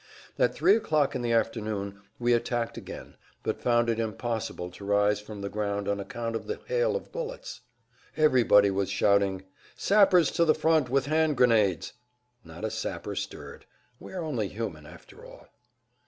At three o'clock in the afternoon we attacked again, but found it impossible to rise from the ground on account of the hail of bullets. Everybody was shouting, "Sappers to the front with hand grenades!" Not a sapper stirred. We are only human, after all.